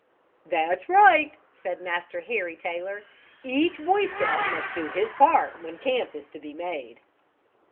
"That's right," said Master Harry Taylor, "each Boy Scout must do his part when camp is to be made."